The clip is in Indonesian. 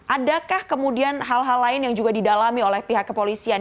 adakah kemudian hal hal lain yang juga didalami oleh pihak kepolisian